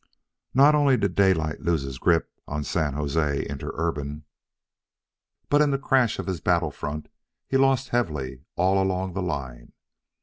Not only did Daylight lose his grip on San Jose Interurban, but in the crash of his battle front he lost heavily all along the line.